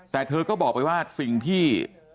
แต่เธอก็บอกไปว่าสิ่งที่